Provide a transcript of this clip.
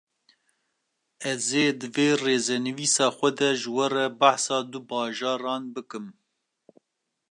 Ez ê di vê rêzenivîsa xwe de ji we re behsa du bajaran bikim